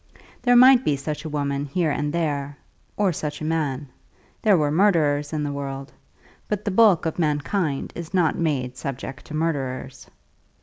There might be such a woman here and there, or such a man. There were murderers in the world, but the bulk of mankind is not made subject to murderers.